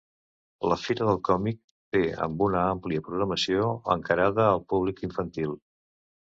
La fira del còmic té amb una àmplia programació encarada al públic infantil.